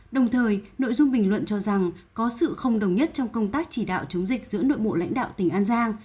đồng thời nội dung bình luận cho rằng có sự không đồng nhất trong công tác chỉ đạo chống dịch giữa nội bộ lãnh đạo tỉnh an giang